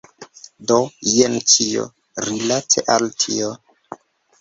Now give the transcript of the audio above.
Do, jen ĉio, rilate al tio.